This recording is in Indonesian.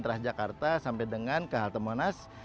transjakarta sampai dengan ke halte monas